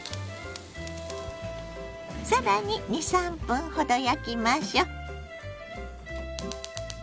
更に２３分ほど焼きましょ。